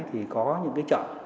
thì có những cái chợ